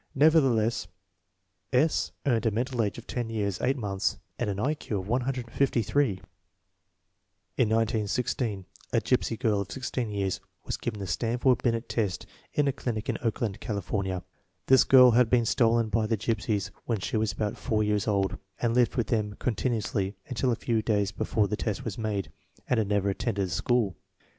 Nevertheless, S. earned a mental age of ten years, eight months, and an I Q of 153. In 1916 a gypsy girl of sixteen years was given the Stanf ord Binet test in a clinic in Oakland, California. This girl had been stolen by the gypsies when she was about four years old, had lived with them continu ously until a few days before the test was made, and had never attended a school.